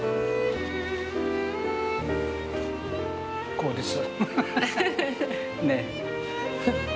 こうです。